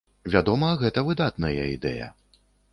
Вядома, гэта выдатная ідэя.